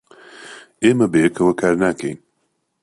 ئێمە بەیەکەوە کار ناکەین.